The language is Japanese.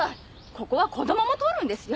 ここは子どもも通るんですよ。